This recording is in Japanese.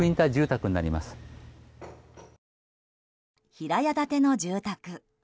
平屋建ての住宅。